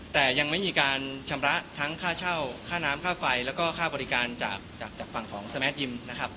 แต่ยังไม่มีการชำระทั้งค่าเช่าค่าน้ำค่าไฟแล้วก็ค่าบริการจากฝั่งของสแมทยิมนะครับ